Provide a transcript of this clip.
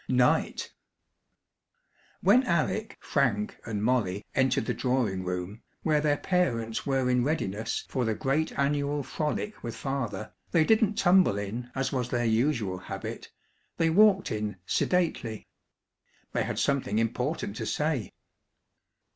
NIGHT When Alec, Frank, and Molly entered the drawing room, where their parents were in readiness, for the great annual frolic with Father, they didn't tumble in as was their usual habit; they walked in sedately. They had something important to say.